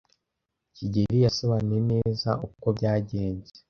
kigeli yasobanuye neza uko byagenze.